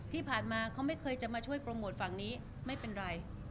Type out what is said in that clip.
ที่ผ่านมาเขาไม่เคยจะมาช่วยโปรโมทฝั่งนี้ไม่เป็นไร